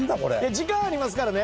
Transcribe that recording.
時間ありますからね。